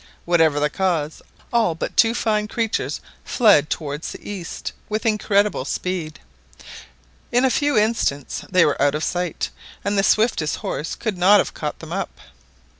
Whatever the cause, all but two fine creatures fled a towards the east With incredible speed; in a few instants they were out of sight, and the swiftest horse could not have caught them up.